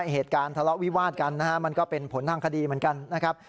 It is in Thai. เหตุการณ์ทะเลาะวิวาดกันมันก็เป็นผลทางคดีเหมือนกัน